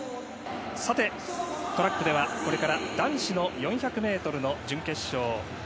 トラックではこれから男子の４００ｍの準決勝。